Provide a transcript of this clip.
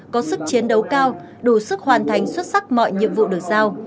có sức chiến đấu cao đủ sức hoàn thành xuất sắc mọi nhiệm vụ được giao